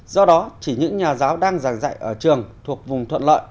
do đó chỉ những nhà giáo đang giảng dạy ở trường thuộc vùng thuận lợi